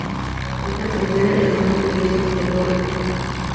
Es la primera y única iglesia ortodoxa en dicho país.